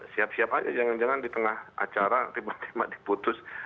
siap siap aja jangan jangan di tengah acara tiba tiba diputus